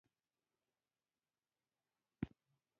د طالبانو رژیم په رسمیت وپېژني.